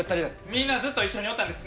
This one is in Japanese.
みんなずっと一緒におったんです。